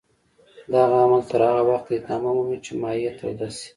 دغه عمل تر هغه وخته ادامه مومي چې مایع توده شي.